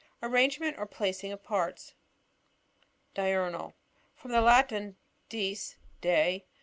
Ai^ rangement or placing of parts. Diurnal. — From the Latin, dieg, day.